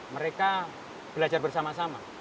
mereka belajar bersama sama